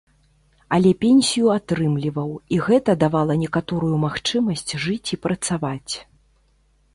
Але пенсію атрымліваў, і гэта давала некаторую магчымасць жыць і працаваць.